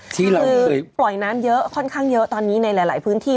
คือปล่อยน้ำเยอะค่อนข้างเยอะตอนนี้ในหลายพื้นที่